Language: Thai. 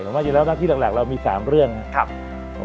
ผมว่าจริงแล้วหน้าที่หลักเรามี๓เรื่องนะครับ